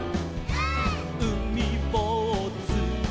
「うみぼうず」「」